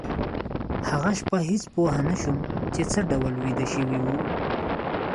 هغه شپه هېڅ پوه نشوم چې څه ډول ویده شوي وو